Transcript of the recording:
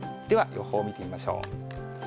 では予報を見てみましょう。